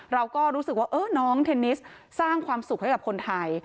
เราก็รู้สึกว่าน้องเทนนิสสร้างความสุขให้กับคนไทย